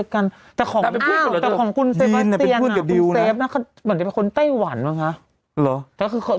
ก็นั่นแหละคุยกัน